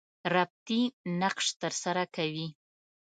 ربطي نقش تر سره کوي.